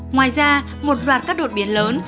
ngoài ra một loạt các đột biến lớn